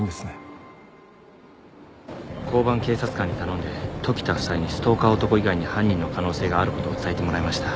交番警察官に頼んで時田夫妻にストーカー男以外に犯人の可能性があることを伝えてもらいました。